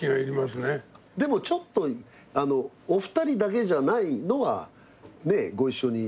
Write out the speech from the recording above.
でもちょっとお二人だけじゃないのはご一緒に。